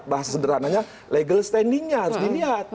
bahasa sederhananya legal standing nya harus dilihat